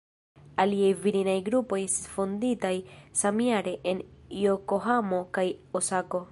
Aliaj virinaj grupoj estis fonditaj samjare en Jokohamo kaj Osako.